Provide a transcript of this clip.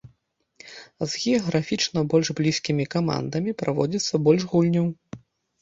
З геаграфічна больш блізкімі камандамі праводзіцца больш гульняў.